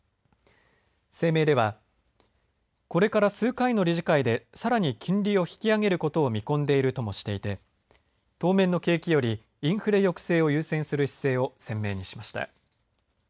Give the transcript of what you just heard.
声明ではこれから数回の理事会でさらに金利を引き上げることを見込んでいるともしていて当面の景気より、インフレ抑制を優先する姿勢を鮮明にしました。